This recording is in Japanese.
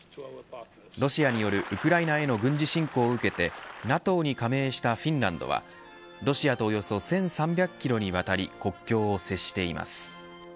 ロシアによるウクライナへの軍事侵攻を受けてＮＡＴＯに加盟したフィンランドはロシアとおよそ１３００キロにわたり国境を接しています。